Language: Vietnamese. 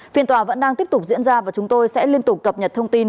phiên tòa vẫn đang tiếp tục diễn ra và chúng tôi sẽ liên tục cập nhật thông tin